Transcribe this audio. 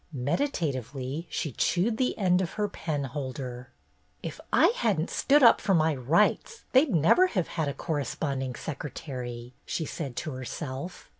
Meditatively she chewed the end of her penholder. "If I had n't stood up for my rights, they'd never have had a Corresponding Secretary," she said to herself.